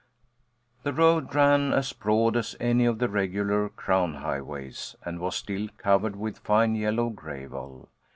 The road ran as broad as any of the regular crown highways, and was still covered with fine yellow gravel.